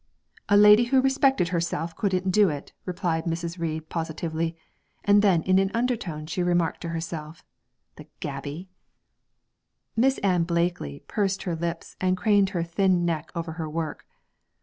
'A lady who respected herself couldn't do it,' replied Mrs. Reid positively; and then in an undertone she remarked to herself, 'The gaby!' Miss Ann Blakely pursed her lips and craned her thin neck over her work.